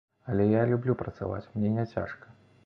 Але я люблю працаваць, мне няцяжка.